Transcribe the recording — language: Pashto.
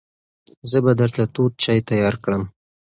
زه به درته تود چای تیار کړم.